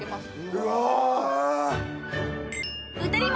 うわ！